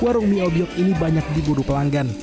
kuarung mie obyok ini banyak diburu pelanggan